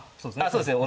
そうですね